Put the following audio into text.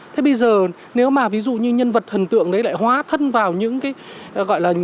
thế bây giờ nếu mà ví dụ như nhân vật thần tượng đấy lại hóa thân vào những cái